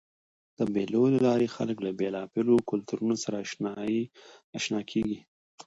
د مېلو له لاري خلک له بېلابېلو کلتورونو سره اشنا کېږي.